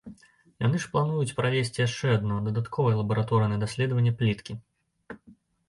Яны ж плануюць правесці яшчэ адно, дадатковае лабараторнае даследаванне пліткі.